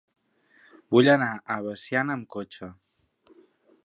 Vull anar a Veciana amb cotxe.